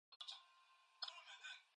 부르는 대로 영신은 따라 부른다.